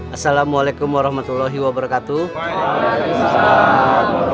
assalamualaikum warahmatullahi wabarakatuh